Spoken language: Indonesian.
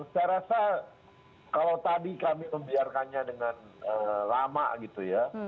saya rasa kalau tadi kami membiarkannya dengan lama gitu ya